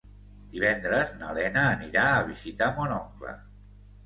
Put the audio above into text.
Divendres na Lena anirà a visitar mon oncle.